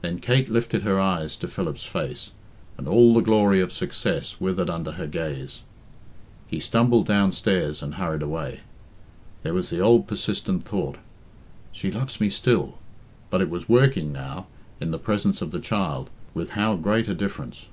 Then Kate lifted her eyes to Philip's face, and all the glory of success withered under her gaze. He stumbled downstairs, and hurried away. There was the old persistent thought, "She loves me still," but it was working now, in the presence of the child, with how great a difference!